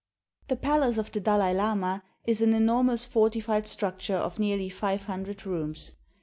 The Palace of the Dalai Lama is an enormous fortified structure of nearly five hundred rooms.